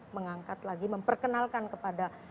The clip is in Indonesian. mengangkat lagi memperkenalkan kepada